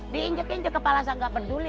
diinjek injek kepala saya nggak peduli